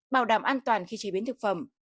bảo đảm an toàn khi chế biến thực phẩm